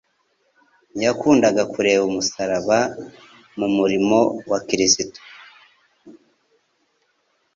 Ntiyakundaga kureba umusaraba mu murimo wa Kristo.